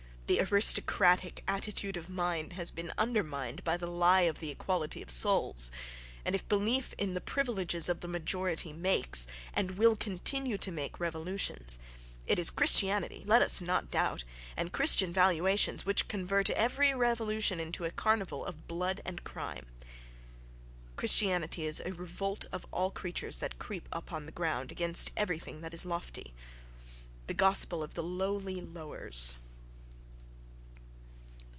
—The aristocratic attitude of mind has been undermined by the lie of the equality of souls; and if belief in the "privileges of the majority" makes and will continue to make revolutions—it is Christianity, let us not doubt, and Christian valuations, which convert every revolution into a carnival of blood and crime! Christianity is a revolt of all creatures that creep on the ground against everything that is lofty: the gospel of the "lowly" lowers....